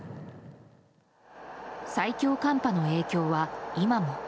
最強寒波の影響は今も。